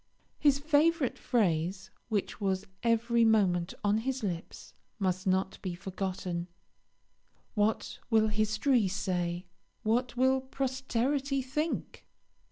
His favourite phrase, which was every moment on his lips, must not be forgotten "What will history say what will posterity think?"